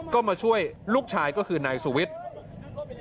ก็มาช่วยลูกชายก็คือนายสุวิทย์